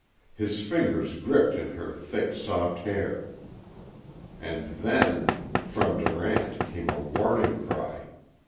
His fingers gripped in her thick, soft hair. And then From Durant came a warning cry.